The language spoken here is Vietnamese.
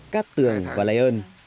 cát tường và lây ơn